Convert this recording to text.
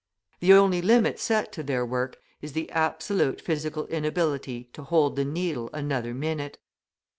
The only limit set to their work is the absolute physical inability to hold the needle another minute.